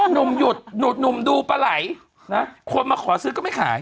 หนุ่มหยุดหนุ่มดูปลาไหล่นะคนมาขอซื้อก็ไม่ขาย